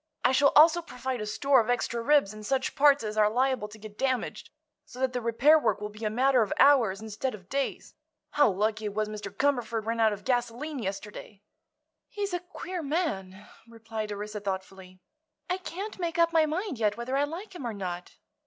I shall also provide a store of extra ribs and such parts as are liable to get damaged, so that the repair work will be a matter of hours instead of days. How lucky it was Mr. Cumberford ran out of gasoline yesterday." "He's a queer man," replied Orissa, thoughtfully. "I can't make up my mind yet whether I like him or not."